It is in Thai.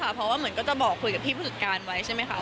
เพราะว่าเหมือนก็จะบอกคุยกับพี่ผู้จัดการไว้ใช่ไหมคะ